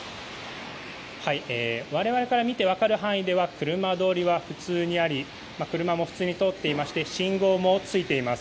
我々から見て分かる範囲では車通りは普通にあり車も普通に通っていまして信号もついています。